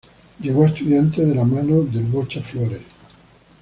Llegó a Estudiantes de la mano del 'Bocha' flores.